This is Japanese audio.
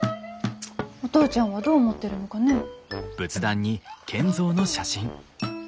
お父ちゃんはどう思ってるのかねぇ。